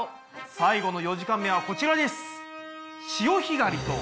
最後の４時間目はこちらです。